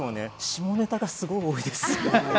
下ネタがすごく多いです。